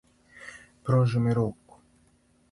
Пружи му руку.